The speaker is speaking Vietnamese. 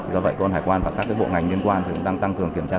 do vậy công an hải quan và các bộ ngành liên quan